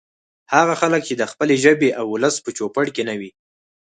هغه خلک چې د خپلې ژبې او ولس په چوپړ کې نه وي